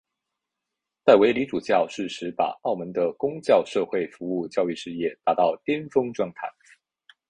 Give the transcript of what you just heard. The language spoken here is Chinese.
戴维理主教适时把澳门的公教社会服务教育事业达到巅峰状态。